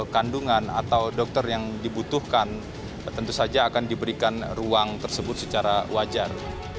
kandungan atau dokter yang dibutuhkan tentu saja akan diberikan ruang tersebut secara wajar